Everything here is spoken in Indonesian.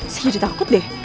saya jadi takut deh